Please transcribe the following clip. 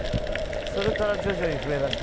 それから徐々に増えだしましたね。